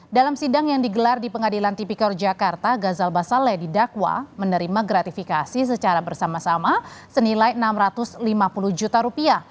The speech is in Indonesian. dalam sidang yang digelar di pengadilan tipikor jakarta gazal basale didakwa menerima gratifikasi secara bersama sama senilai rp enam ratus lima puluh juta